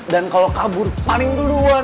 dan kalau kabur paling duluan